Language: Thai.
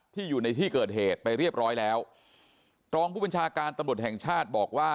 อยู่ในที่เกิดเหตุไปเรียบร้อยแล้วรองผู้บัญชาการตำรวจแห่งชาติบอกว่า